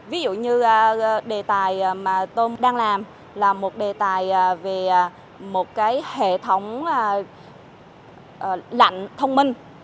ví dụ như đề tài mà tôm đang làm là một đề tài về một cái hệ thống lạnh thông minh